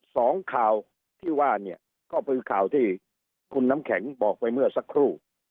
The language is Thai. สองข่าวที่ว่าเนี่ยก็คือข่าวที่คุณน้ำแข็งบอกไปเมื่อสักครู่